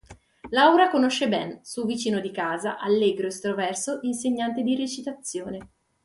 Laura conosce Ben, suo vicino di casa, allegro, estroverso, insegnante di recitazione.